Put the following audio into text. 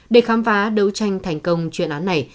để khám phá đấu tranh thành công chuyên án này